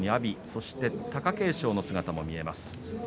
そして貴景勝の姿も見えます。